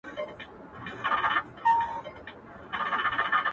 په زلفو ورا مه كوه مړ به مي كړې ـ